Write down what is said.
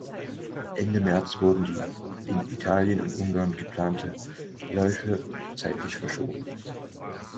Ende März wurden die in Italien und Ungarn geplante Läufe zeitlich verschoben.